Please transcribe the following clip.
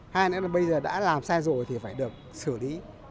hai nữa là bây giờ đã làm xe rồi thì phải được xử lý